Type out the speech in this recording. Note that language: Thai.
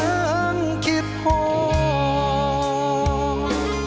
ยังคิดห่วง